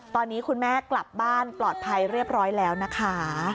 ตอนนี้คุณแม่กลับบ้านปลอดภัยเรียบร้อยแล้วนะคะ